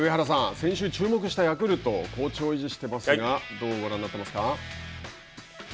先週、注目したヤクルト好調を維持していますがどうご覧になってますか。